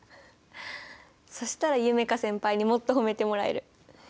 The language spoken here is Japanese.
そしたら夢叶先輩にもっと褒めてもらえる。